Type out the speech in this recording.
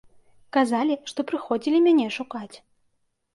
Казалі, што прыходзілі мяне шукаць.